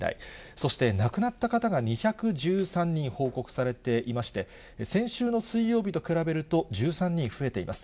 そして亡くなった方が２１３人報告されていまして、先週の水曜日と比べると１３人増えています。